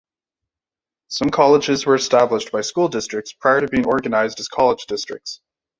Some colleges were established by school districts prior to being organized as college districts.